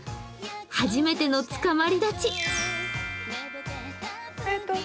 初めてのつかまり立ち。